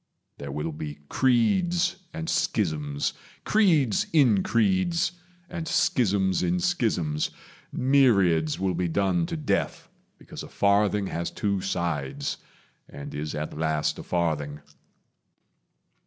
There will be creeds and schisms, creeds in creeds, And schisms in schisms; myriads will be done To death because a farthing has two sides, And is at last a farthing.